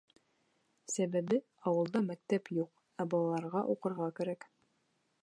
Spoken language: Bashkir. Сәбәбе: ауылда мәктәп юҡ, ә балаларға уҡырға кәрәк.